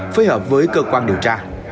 phối hợp với cơ quan điều tra